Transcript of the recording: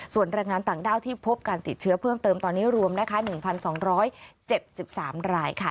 ส่วนแรงงานต่างด้าวที่พบการติดเชื้อเพิ่มเติมตอนนี้รวมนะคะ๑๒๗๓รายค่ะ